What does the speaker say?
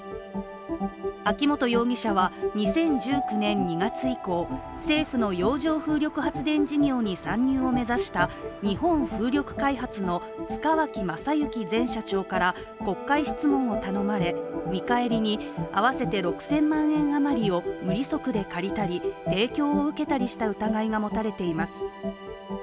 秋本容疑者は２０１９年２月以降、政府の洋上風力発電事業に参入を目指した日本風力開発の塚脇正幸前社長から国会質問を頼まれ見返りに合わせて６０００万円余りを無利息で借りたり提供を受けたりした疑いが持たれています。